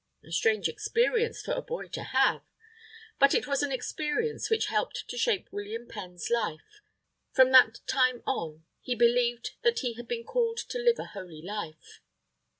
A strange experience for a boy to have. But it was an experience which helped to shape William Penn's life. From that time on, he believed that he had been called to live a holy life.